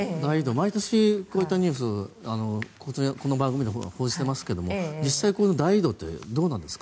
毎年こういったニュースこの番組でも報じていますが実際、大移動ってどうなんですか。